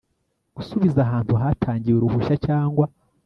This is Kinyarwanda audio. gusubiza ahantu hatangiwe uruhushya cyangwa